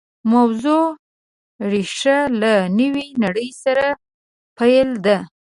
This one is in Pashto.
موضوع ریښه له نوې نړۍ سره پیل ده